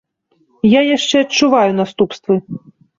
Я яшчэ адчуваю наступствы.